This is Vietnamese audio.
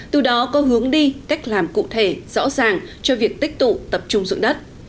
từ đó có hướng đi cách làm cụ thể rõ ràng cho việc tích tụ tập trung dụng đất